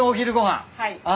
はい。